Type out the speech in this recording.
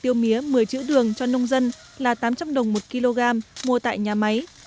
tiêu mía một mươi chữ đường cho nông dân là tám trăm linh đồng một kg mua tại nhà máy